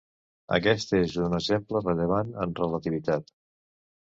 Aquest és un exemple rellevant en relativitat.